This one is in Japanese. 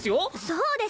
そうです！